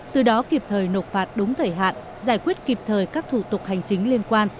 từ đó kịp thời nộp phạt đúng thời hạn giải quyết kịp thời các thủ tục hành chính liên quan